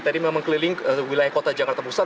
tadi memang keliling wilayah kota jakarta pusat